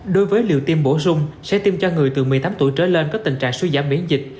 đối với liều tiêm bổ sung sẽ tiêm cho người từ một mươi tám tuổi trở lên có tình trạng suy giảm miễn dịch